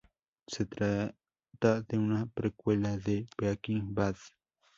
Se trata de una precuela de "Breaking Bad".